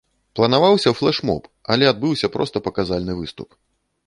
Планаваўся флэш-моб, але адбыўся проста паказальны выступ.